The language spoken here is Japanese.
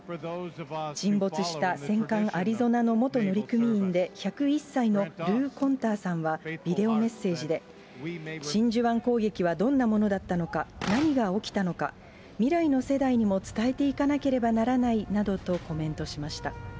沈没した戦艦アリゾナの元乗組員で、１０１歳のルー・コンターさんはビデオメッセージで、真珠湾攻撃はどんなものだったのか、何が起きたのか、未来の世代にも伝えていかなければならないなどとコメントしました。